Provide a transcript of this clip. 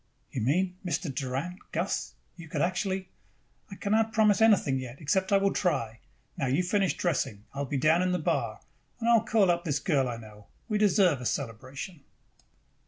"You mean.... Mr. Doran Gus you could actually " "I cannot promise anything yet except that I will try. Now you finish dressing. I will be down in the bar. And I will call up this girl I know. We deserve a celebration!"